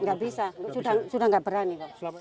nggak bisa sudah nggak berani kok